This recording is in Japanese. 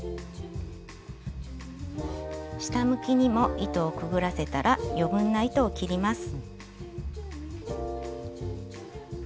下向きにも糸をくぐらせたら余分な糸を切ります。